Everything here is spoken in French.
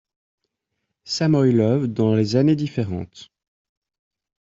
Samoylov dans les années différentes.